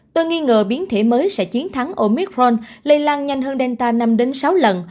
đáng ngờ biến thể mới sẽ chiến thắng omicron lây lan nhanh hơn delta năm sáu lần